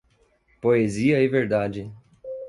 Poesia e verdade